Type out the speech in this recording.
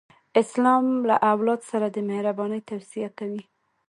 اسلام له اولاد سره د مهرباني توصیه کوي.